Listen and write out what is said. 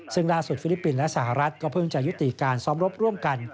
ซึ่งล่าสุดฟิลิปปินส์และสหรัฐก็เพิ่งจะยุติการซ้อมรบร่วมกัน